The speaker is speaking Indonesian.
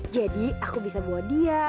jadi aku bisa bawa dia